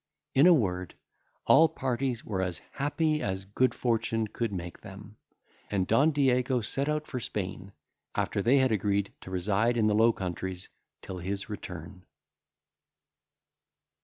—In a word, all parties were as happy as good fortune could make them; and Don Diego set out for Spain, after they had agreed to reside in the Low Countries till his return.